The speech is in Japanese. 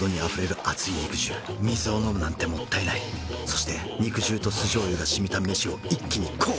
そして肉汁と酢醤油がしみた飯を一気にこう！